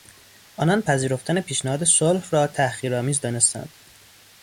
آنان پذیرفتن پیشنهاد صلح را تحقیرآمیز دانستند.